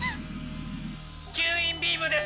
吸引ビームです！